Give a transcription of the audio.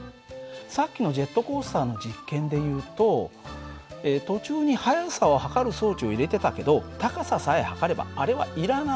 さっきのジェットコースターの実験でいうと途中に速さを測る装置を入れてたけど高ささえ測ればあれはいらないの。